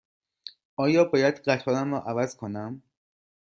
آیا باید قطارم را عوض کنم؟